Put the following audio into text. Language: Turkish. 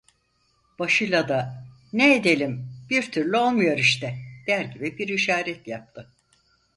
Başıyla da: "Ne idelim, bir türlü olmuyor işte!" der gibi bir işaret yaptı.